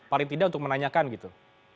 paling tidak untuk menanyakan gitu